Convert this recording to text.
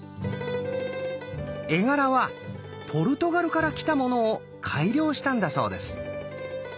絵柄はポルトガルから来たものを改良したんだそうです。